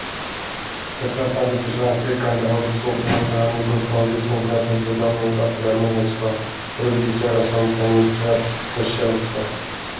Beträffande förstahandsyrkandet har riksåklagaren godtagit hovrättens bedömning att gärningen ska rubriceras som penningtvättsförseelse.